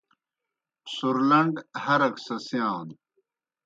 سُرلنڈ ہرَک سہ سِیانوْ